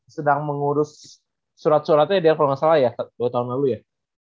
sedang mengurus surat suratnya dia kalau nggak salah ya dua tahun lalu ya